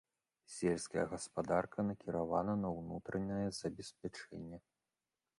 Сельская гаспадарка накіравана на ўнутранае забеспячэнне.